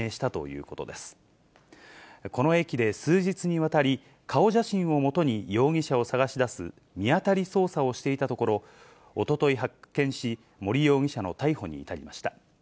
この駅で数日にわたり、顔写真を基に容疑者を捜し出す見当たり捜査をしていたところ、おととい発見し、森容疑者の逮捕に至りました。